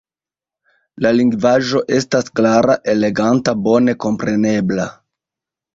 La lingvaĵo estas klara, eleganta, bone komprenebla.